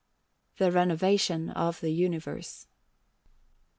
THE RENOVATION OF THE UNIVERSE.